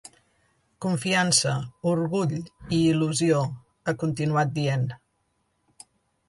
Confiança, orgull i il·lusió –ha continuat dient–.